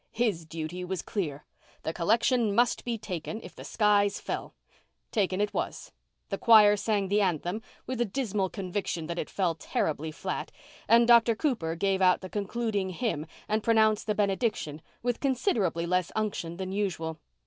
His duty was clear; the collection must be taken if the skies fell. Taken it was; the choir sang the anthem, with a dismal conviction that it fell terribly flat, and Dr. Cooper gave out the concluding hymn and pronounced the benediction with considerably less unction than usual.